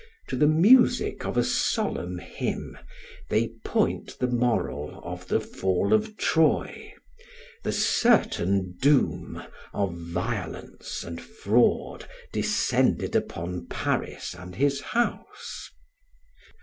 To the music of a solemn hymn they point the moral of the fall of Troy, the certain doom of violence and fraud descended upon Paris and his House.